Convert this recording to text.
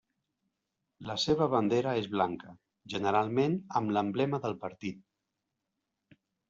La seva bandera és blanca, generalment amb l'emblema del partit.